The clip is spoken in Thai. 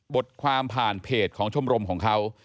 บทความผ่านเพจของชมรมของเขา